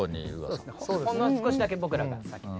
ほんの少しだけ僕らが先。